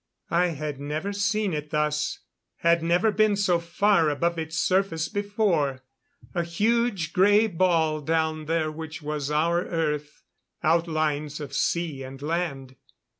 I had never seen it thus had never been so far above its surface before. A huge grey ball down there which was our Earth. Outlines of sea and land.